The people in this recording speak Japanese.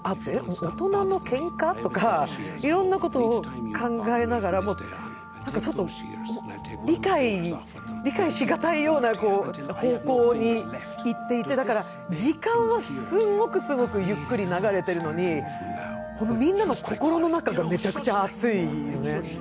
大人のけんか？とかいろんなことを考えながら、ちょっと理解しがたいような方向にいって、だから時間はすんごくすごくゆっくり流れているのに、みんなの心の中がめちゃくちゃ熱いよね。